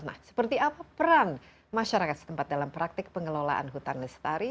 nah seperti apa peran masyarakat setempat dalam praktik pengelolaan hutan lestari